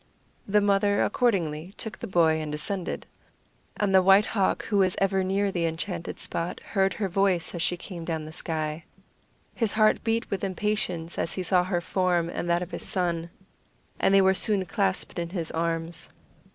The mother accordingly took the boy and descended. And the White Hawk, who was ever near the enchanted spot, heard her voice as she came down the sky. His heart beat with impatience as he saw her form and that of his son, and they were soon clasped in his arms.